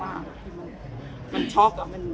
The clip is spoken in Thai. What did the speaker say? เราก็ยังไหวบ้านพลังน้ำยังตาย